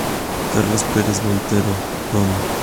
Carlos Perez Montero, Dn.